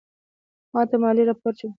ماته مالي راپور چمتو کړه